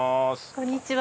こんにちは。